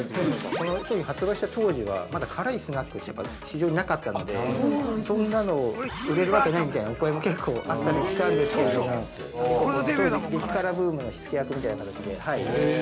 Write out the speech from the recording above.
◆この商品を発売した当時は、まだ辛いスナックって市場になかったので、そんなの売れるわけないみたいなお声も結構あったりしたんですけれども、結構、当時激辛ブームの火つけ役みたいな形で。